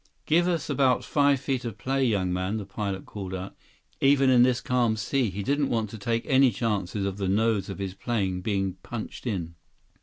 "Give us about five feet of play, young man," the pilot called out. Even in this calm sea, he didn't want to take any chances on the nose of his plane being punched in.